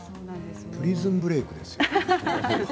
「プリズン・ブレイク」ですよ。